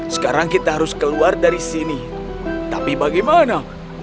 sekarang kita harus keluar dari sini tapi bagaimana